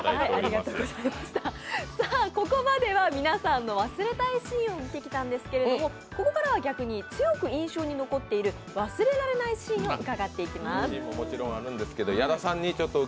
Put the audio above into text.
ここまでは皆さんの忘れたいシーンを見てきたんですけれどここからは逆に強く印象に残っている忘れられないシーンを伺っていきます。